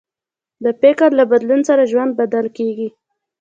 د فکر له بدلون سره ژوند بدل کېږي.